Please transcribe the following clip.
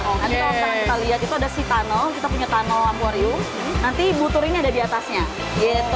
nanti kalau misalkan kita lihat itu ada sitano kita punya tano aquarium nanti butur ini ada di atasnya gitu